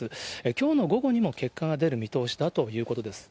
きょうの午後にも結果が出る見通しだということです。